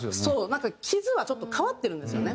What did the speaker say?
なんか傷はちょっと変わってるんですよね。